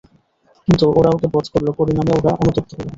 কিন্তু ওরা ওকে বধ করল, পরিণামে ওরা অনুতপ্ত হল।